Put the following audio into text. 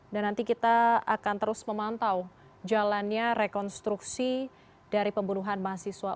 dan nanti kita akan terus memantau jalannya rekonstruksi dari pembunuhan mahasiswa